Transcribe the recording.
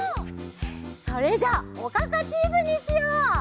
それじゃあおかかチーズにしよう！